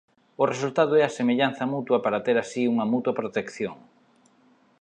O resultado é a semellanza mutua para ter así unha mutua protección.